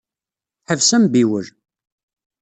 Ḥbes ambiwel!